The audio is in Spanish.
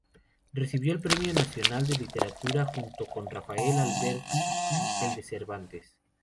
Recibió el premio Nacional de Literatura, junto con Rafael Alberti, y el de Cervantes.